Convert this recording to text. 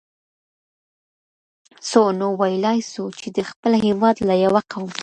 سو. نو ويلای سو، چي د خپل هيواد له یوه قوم